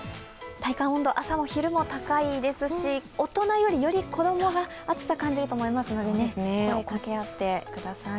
体感温度、朝も昼も高いですし、大人より子供が暑さを感じると思いますので、声をかけ合ってください。